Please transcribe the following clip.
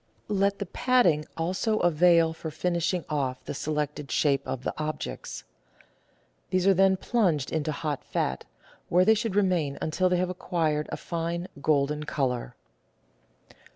Let the patting also avail for finishing off the selected shape of the objects. These are then plunged into hot fat, where they should remain until they have acquired a fine, golden colour.